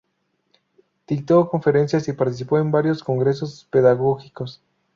Dictó conferencias y participó en varios congresos pedagógicos.